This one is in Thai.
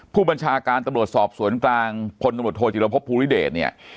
ผู้บัญชาการตำรวจสอบสวนกลางพลตำรวจโทจิรพบภูริเดชเนี่ย